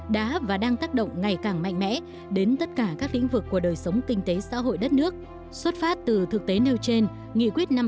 đã và đang tác động